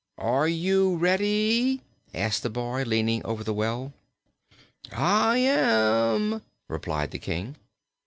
"Are you ready?" asked the boy, leaning over the well. "I am," replied the King.